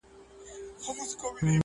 دا ګودر زرګر دی دلته پېغلي هم زرګري دي.